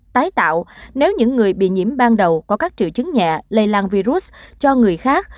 tái tạo nếu những người bị nhiễm ban đầu có các triệu chứng nhẹ lây lan virus cho người khác